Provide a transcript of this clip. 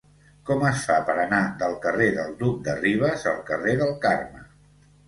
Com es fa per anar del carrer del Duc de Rivas al carrer del Carme?